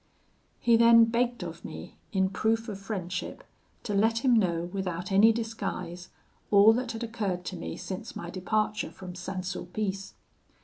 "He then begged of me, in proof of friendship, to let him know, without any disguise, all that had occurred to me since my departure from St. Sulpice.